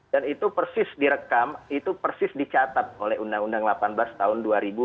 dan itu persis direkam itu persis dicatat oleh undang undang delapan belas tahun dua ribu delapan